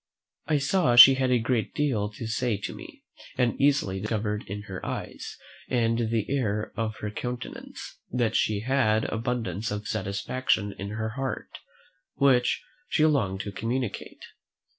I saw she had a great deal to say to me, and easily discovered in her eyes, and the air of her countenance, that she had abundance of satisfaction in her heart, which she longed to communicate.